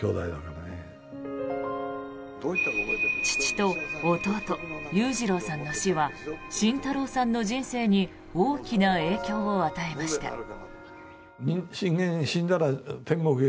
父と弟・裕次郎さんの死は慎太郎さんの人生に大きな影響を与えました。